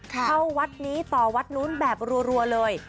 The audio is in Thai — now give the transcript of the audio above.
เข้าวัดนี้ต่อวัดนู้นแบบรัวเลย